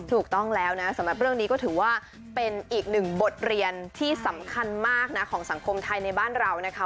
ถูกต้องแล้วนะสำหรับเรื่องนี้ก็ถือว่าเป็นอีกหนึ่งบทเรียนที่สำคัญมากนะของสังคมไทยในบ้านเรานะคะ